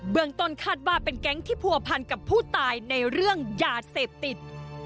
เมืองต้นคาดว่าเป็นแก๊งที่ผัวพันกับผู้ตายในเรื่องยาเสพติด